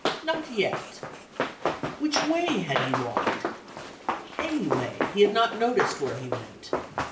Not yet. Which way had he walked? Anyway: he had not noticed where he went.